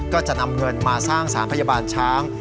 ก็จะนำเงินมาสร้างสารพยาบาลช้าง